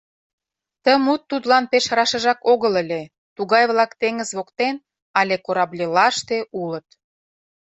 Ты мут тудлан пеш рашыжак огыл ыле, тугай-влак теҥыз воктен але корабльлаште улыт.